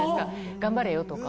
「頑張れよ」とか。